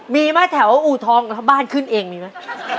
มีมั้ยแถวอูตรองที่บ้านขึ้นเองมีไม่